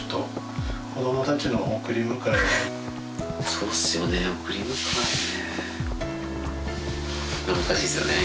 そうっすよね。